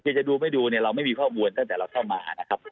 คือจะดูไม่ดูเนี่ยเราไม่มีข้อมูลตั้งแต่เราเข้ามานะครับ